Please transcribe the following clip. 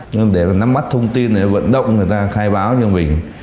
nhưng để nắm mắt thông tin để vận động người ta khai báo cho mình